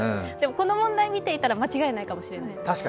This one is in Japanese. この問題見ていたら間違えないかもしれない。